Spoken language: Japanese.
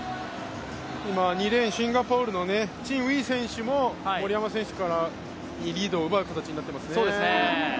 今、２レーン、シンガポールのチンウィー選手も森山選手からリードを奪うことになっていますね。